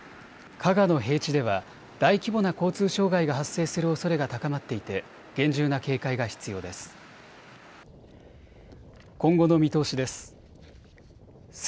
加賀の平地では大規模な交通障害が発生するおそれが高まっていて厳重な警戒が必要です。